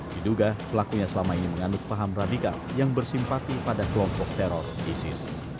diduga pelakunya selama ini menganut paham radikal yang bersimpati pada kelompok teror isis